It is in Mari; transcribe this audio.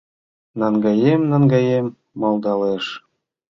Наҥгаем-наҥгаем малдалеш.